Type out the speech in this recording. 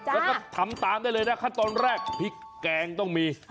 แล้วก็ทำตามได้เลยนะขั้นตอนแรกพริกแกงต้องมี